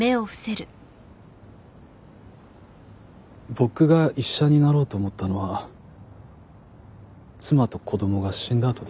僕が医者になろうと思ったのは妻と子供が死んだあとです。